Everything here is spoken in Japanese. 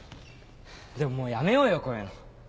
でももうやめようよこういうの。